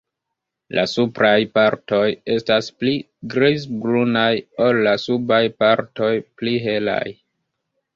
La supraj partoj estas pli grizbrunaj ol la subaj partoj pli helaj.